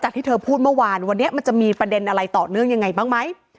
ที่เธอพูดเมื่อวานวันนี้มันจะมีประเด็นอะไรต่อเนื่องยังไงบ้างไหม